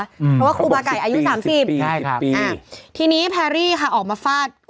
เพราะว่าครูบาไก่อายุสามสิบใช่ครับอ่าทีนี้แพรรี่ค่ะออกมาฟาด